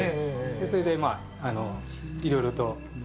それでいろいろと。